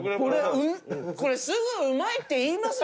これすぐ「うまい」って言いますよ！